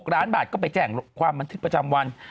ล้านบาทก็ไปแจ้งความบันทึกประจำวัน